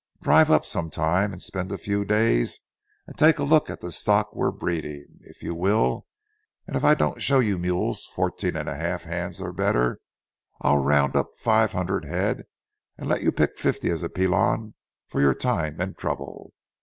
Drive up some time and spend a few days and take a look at the stock we're breeding. If you will, and I don't show you fifty mules fourteen and a half hands or better, I'll round up five hundred head and let you pick fifty as a pelon for your time and trouble.